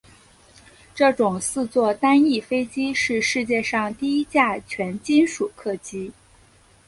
这种四座单翼飞机是世界上第一架全金属客机。